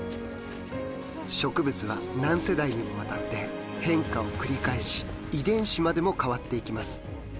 植物は何世代にもわたって変化を繰り返し遺伝子までも変わっていきます。